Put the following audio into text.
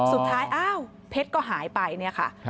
สุดท้ายอ้าวเพชรก็หายไปนี่ค่ะ